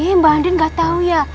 ih mbak andin gak tau ya